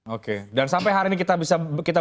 oke dan sampai hari ini kita